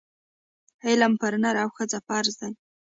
علم پر نر او ښځي فرض دی